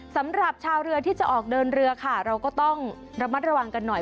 สำหรับชาวเรือที่จะออกเดินเรือค่ะเราก็ต้องระมัดระวังกันหน่อย